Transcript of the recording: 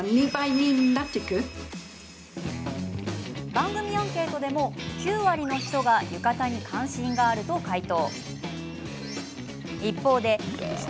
番組アンケートでも９割の人が浴衣に関心があると回答。